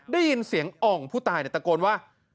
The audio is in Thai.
ได้ยินเสียงอ่องผู้ตายตะโกนว่า